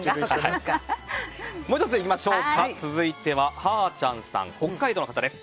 続いて、北海道の方です。